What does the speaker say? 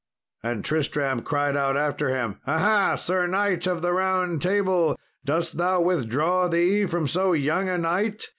And Tristram cried out after him, "Aha! Sir knight of the Round Table, dost thou withdraw thee from so young a knight?